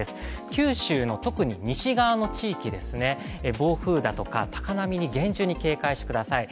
九州の特に西側の地域、暴風だとか高波に厳重に警戒してください。